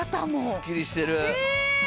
すっきりしてる。え！